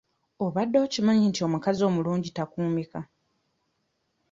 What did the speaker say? Obadde okimanyi nti omukazi omulungi takuumika?